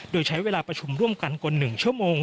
โดยใช้เวลาประชุมร่วมกันกว่า๑ชั่วโมง